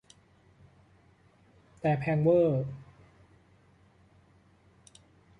แต่แพงเว่อร์